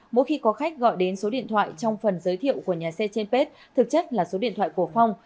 mỗi khi có khách gọi đến số điện thoại trong phần giới thiệu của nhà xe trên page thực chất là số điện thoại của phong